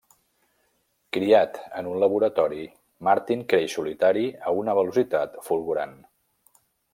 Criat en un laboratori, Martin creix solitari a una velocitat fulgurant.